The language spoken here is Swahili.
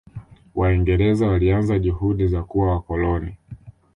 Waingereza walianza juhudi za kuwa wakoloni